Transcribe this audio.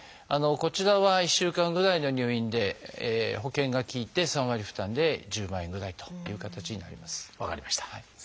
こちらは１週間ぐらいの入院で保険が利いて３割負担で１０万円ぐらいという形になります。